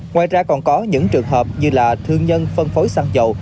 ngoài ra còn có những trường hợp như là thương nhân phân phối xăng dầu